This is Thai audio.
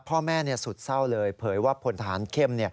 พ่อแม่สุดเศร้าเลยเผยว่าพลทหารเข้ม